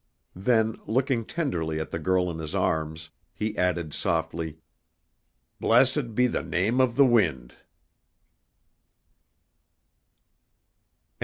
Then, looking tenderly at the girl in his arms, he added softly: "Blessed be the name of the wind!"